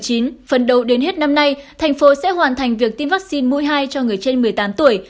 phần đầu đến hết năm nay thành phố sẽ hoàn thành việc tiêm vaccine mũi hai cho người trên một mươi tám tuổi